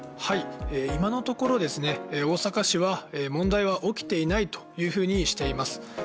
今のところですね大阪市は問題は起きていないというふうにしています